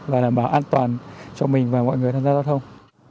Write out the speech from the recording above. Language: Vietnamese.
và đảm bảo an toàn cho mình và mọi người tham gia giao thông